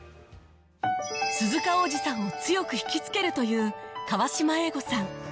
鈴鹿央士さんを強く惹きつけるという河島英五さん